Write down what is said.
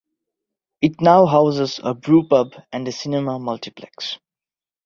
It now houses a brewpub and a cinema multiplex.